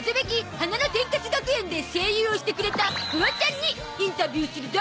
花の天カス学園』で声優をしてくれたフワちゃんにインタビューするゾ！